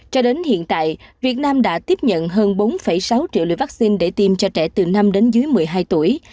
cho đến hiện tại việt nam đã tiếp nhận hơn bốn sáu triệu liều vaccine để tiêm cho trẻ từ năm đến dưới một mươi hai tuổi